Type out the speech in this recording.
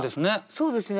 そうですよね。